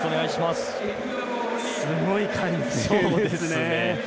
すごい歓声ですね。